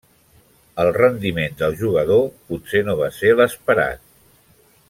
El rendiment del jugador potser no va ser l'esperat.